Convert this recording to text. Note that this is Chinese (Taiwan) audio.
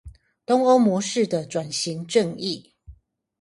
東歐模式的轉型正義